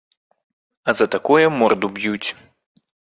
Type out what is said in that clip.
А за такое морду б'юць.